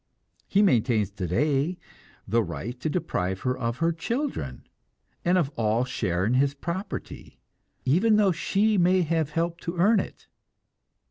He maintains today the right to deprive her of her children, and of all share in his property, even though she may have helped to earn it.